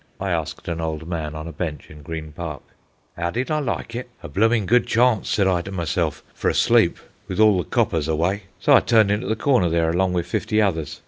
I asked an old man on a bench in Green Park. "'Ow did I like it? A bloomin' good chawnce, sez I to myself, for a sleep, wi' all the coppers aw'y, so I turned into the corner there, along wi' fifty others.